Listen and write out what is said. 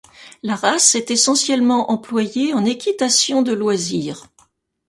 La race est essentiellement employée en équitation de loisir.